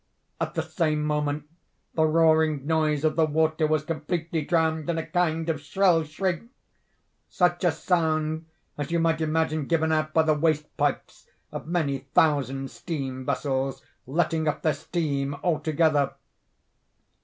At the same moment the roaring noise of the water was completely drowned in a kind of shrill shriek—such a sound as you might imagine given out by the waste pipes of many thousand steam vessels, letting off their steam all together.